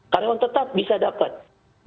karyawan tetap bisa dapat dari situ